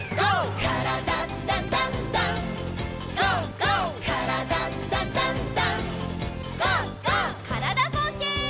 からだぼうけん。